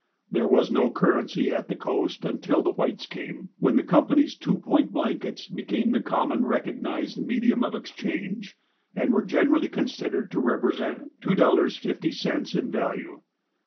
There was no cur rency at the coast until the Whites came, when the com pany's two point blankets became the commonly recog nized medium of exchange, and were generally considered to represent $2.50 in value.